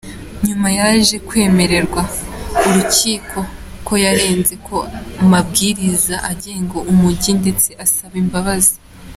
Nyuma yaje kwemerera urukiko ko yarenze ku mabwiriza agenga umujyi ndetse asaba imbabazi.